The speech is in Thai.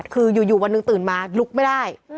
คืออยู่วันหนึ่งตื่นมาลุกไม่ได้